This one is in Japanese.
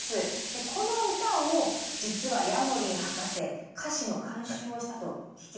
この歌を実はヤモリン博士歌詞の監修をしたと聞きましたよ。